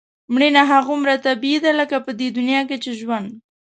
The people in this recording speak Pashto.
مړینه هغومره طبیعي ده لکه په دې دنیا کې چې ژوند.